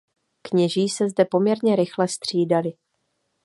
Kněží se zde poměrně rychle střídali.